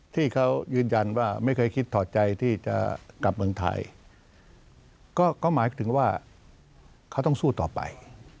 ที่เขายืนยันว่าไม่เคยคิดถอดใจที่จะกลับเมืองไทยก็หมายถึงว่าเขาต้องสู้ต่อไป